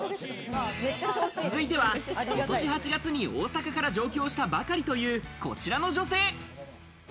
続いては今年８月に大阪から上京したばかりという、こちらの女性。